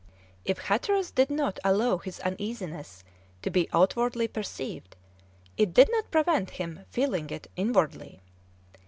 If Hatteras did not allow his uneasiness to be outwardly perceived, it did not prevent him feeling it inwardly.